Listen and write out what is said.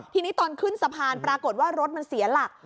ทีนี้ตอนขึ้นสะพานปรากฏว่ารถมันเสียหลัก